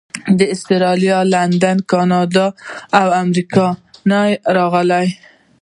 د اسټرالیا، لندن، کاناډا او امریکې نه راغلي.